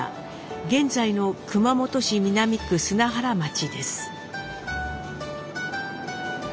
現在の熊本市南区砂原町です。